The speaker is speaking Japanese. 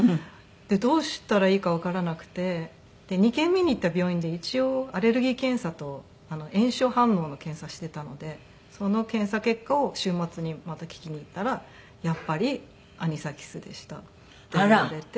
どうしたらいいかわからなくて２軒目に行った病院で一応アレルギー検査と炎症反応の検査していたのでその検査結果を週末にまた聞きに行ったらやっぱりアニサキスでしたって言われて。